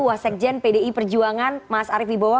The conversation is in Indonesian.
washek jen pdi perjuangan mas arief bibowo